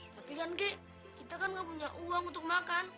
tapi kan kek kita kan nggak punya uang untuk makan